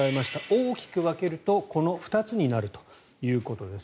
大きく分けるとこの２つになるということです。